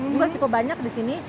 juga cukup banyak di sini